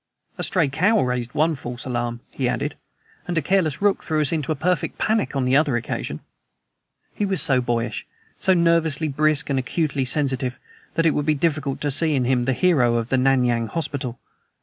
A stray cow raised one false alarm," he added, "and a careless rook threw us into a perfect panic on another occasion." He was so boyish so nervously brisk and acutely sensitive that it was difficult to see in him the hero of the Nan Yang hospital.